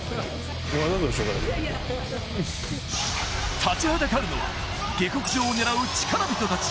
立ちはだかるのは下克上を狙う力人たち。